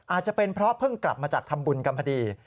อาจจะเป็นเพราะเพิ่งกลับมาจากทำบุญกันพอดี